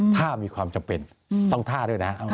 ถ้ามีความจำเป็นต้องท่าด้วยนะ